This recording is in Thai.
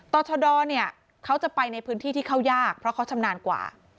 ต่อชะดอเนี่ยเขาจะไปในพื้นที่ที่เข้ายากเพราะเขาชำนาญกว่า